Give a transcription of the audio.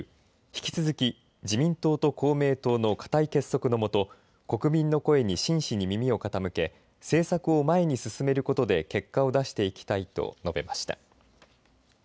引き続き自民党と公明党の固い結束のもと国民の声に真摯に耳を傾け政策を前に進めることで結果を出していきたいと述べました。